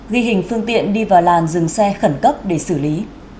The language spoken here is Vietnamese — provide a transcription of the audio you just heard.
ghi hình phương tiện đi vào làn dừng xe khẩn cấp để xử lý